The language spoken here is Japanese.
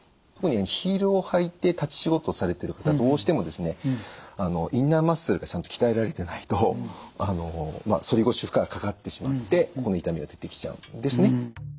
特にヒールを履いて立ち仕事をされてる方どうしてもですねインナーマッスルがちゃんと鍛えられてないと反り腰負荷がかかってしまってここの痛みが出てきちゃうんですね。